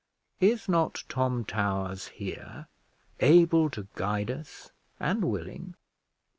Is not Tom Towers here, able to guide us and willing?